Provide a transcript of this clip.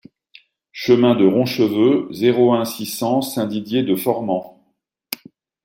Chemin de Roncheveux, zéro un, six cents Saint-Didier-de-Formans